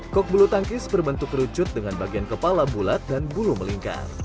kok bulu tangkis berbentuk kerucut dengan bagian kepala bulat dan bulu melingkar